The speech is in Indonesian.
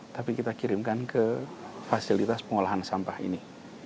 tapi kita kirimkan ke fasilitas pengolahan sampah ini